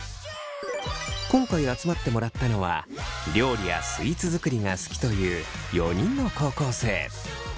今回集まってもらったのは料理やスイーツ作りが好きという４人の高校生。